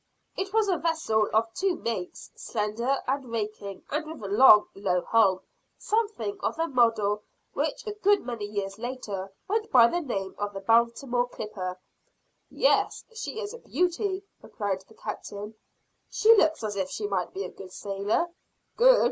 It was a vessel of two masts, slender and raking, and with a long, low hull something of the model which a good many years later, went by the name of the Baltimore clipper. "Yes, she is a beauty!" replied the captain. "She looks as if she might be a good sailer." "Good!